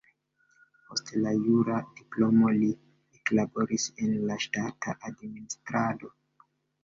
Post la jura diplomo li eklaboris en la ŝtata administrado.